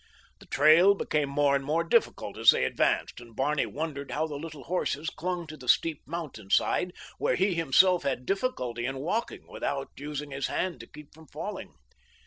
The trail became more and more difficult as they advanced, until Barney wondered how the little horses clung to the steep mountainside, where he himself had difficulty in walking without using his hand to keep from falling.